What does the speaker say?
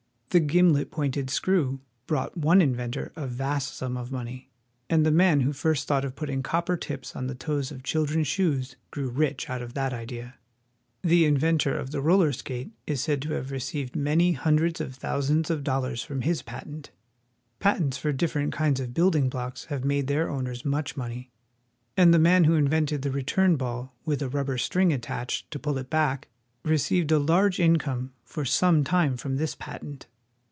The gimlet pointed screw brought one inventor a vast sum of money, and the man who first thought of putting copper tips on the toes of children's shoes grew rich out of that idea. The inventor of the roller skate is said to have received many hundreds of thousands of dollars from his BALTIMORE. 45 patent. Patents for different kinds of building blocks have made their owners much money, and the man who inv'cnted the return ball with a rubber string attached to pull it back received a large income for some time from this patent.